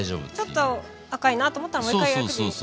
ちょっと赤いなと思ったらもう一回焼けばいいのか。